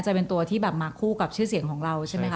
จะเป็นตัวที่แบบมาคู่กับชื่อเสียงของเราใช่ไหมค